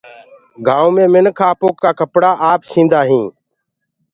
گآئونٚ مي منک آپو ڪآ ڪپڙآ آپ سيندآ هينٚ۔